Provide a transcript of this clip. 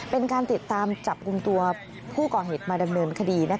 เป็นการติดตามจับกลุ่มตัวผู้ก่อเหตุมาดำเนินคดี